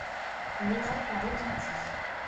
L'Europe en retentit.